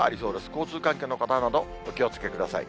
交通関係の方など、お気をつけください。